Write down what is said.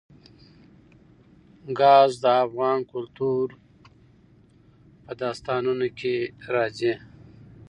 ګاز د افغان کلتور په داستانونو کې راځي.